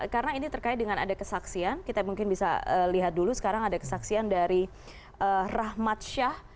karena ini terkait dengan ada kesaksian kita mungkin bisa lihat dulu sekarang ada kesaksian dari rahmat syah